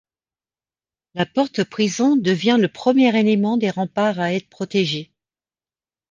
La porte-prison devient le premier élément des remparts à être protégé.